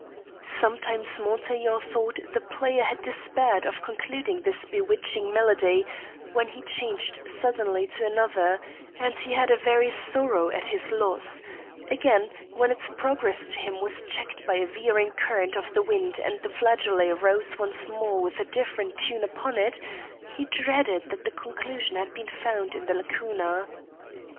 Sometimes Montaiglon thought the player had despaired of concluding this bewitching melody when he changed suddenly to another, and he had a very sorrow at his loss; again, when its progress to him was checked by a veering current of the wind and the flageolet rose once more with a different tune upon it, he dreaded that the conclusion had been found in the lacuna.